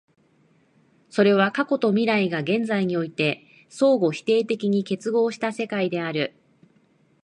それは過去と未来が現在において相互否定的に結合した世界である。